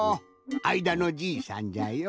あいだのじいさんじゃよ。